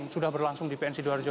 sudah berlangsung di pnc duwajewo